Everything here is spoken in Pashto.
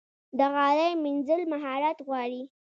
د غالۍ مینځل مهارت غواړي.